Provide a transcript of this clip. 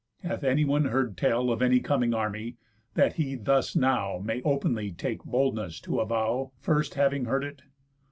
Hath anyone heard tell Of any coming army, that he thus now May openly take boldness to avow, First having heard it?